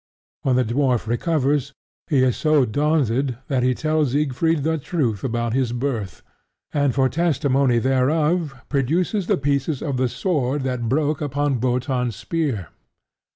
When the dwarf recovers, he is so daunted that he tells Siegfried the truth about his birth, and for testimony thereof produces the pieces of the sword that broke upon Wotan's spear.